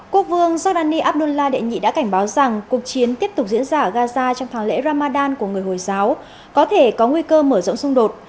quốc vương giordani abdullah đệ nhị đã cảnh báo rằng cuộc chiến tiếp tục diễn ra ở gaza trong tháng lễ ramadan của người hồi giáo có thể có nguy cơ mở rộng xung đột